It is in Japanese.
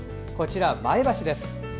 こちら、前橋です。